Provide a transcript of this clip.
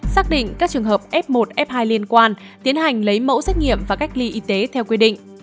xác định các trường hợp f một f hai liên quan tiến hành lấy mẫu xét nghiệm và cách ly y tế theo quy định